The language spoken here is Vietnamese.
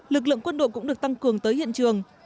lực lượng quân đội cũng được tăng cường tới hiện trường